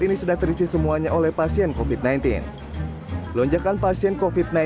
ini sudah terisi semuanya oleh pasien kofit sembilan belas lonjakan pasien kofit sembilan belas